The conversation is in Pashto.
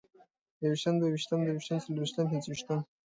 يوويشتم، دوه ويشتم، درويشتم، څلرويشتم، څلورويشتم